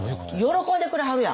喜んでくれはるやん。